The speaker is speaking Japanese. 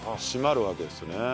締まるわけですね。